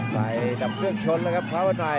ใส่ดำเฟือกช้นแล้วครับพระวันใหม่